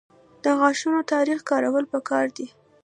د غاښونو تار کارول پکار دي